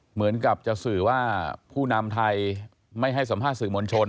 เหมือนกับจะสื่อว่าผู้นำไทยไม่ให้สัมภาษณ์สื่อมวลชน